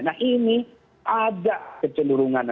nah ini ada kecenderungan